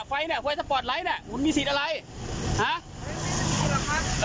ไฟแน่ะไฟสปอร์ตไลท์น่ะคุณมีสิทธุ์อะไรฮะเอ่อ